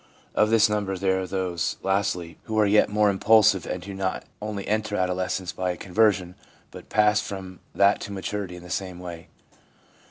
Of this number there are those, lastly, who are yet more impulsive, and who not only enter adolescence by a conversion, but pass from that to maturity in the same way.